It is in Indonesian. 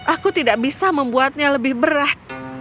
aku tidak bisa membuatnya lebih berat